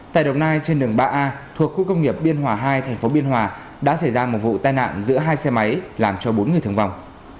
tại đồng nai trên đường ba a thuộc khu công nghiệp biên hòa hai thành phố biên hòa đã xảy ra một vụ tai nạn giữa hai xe máy làm cho bốn người thương vong